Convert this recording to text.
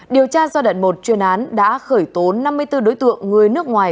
điều tra do đận một chuyên án đã khởi tố năm mươi bốn đối tượng người nước ngoài